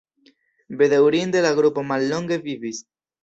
Bedaŭrinde la grupo mallonge vivis.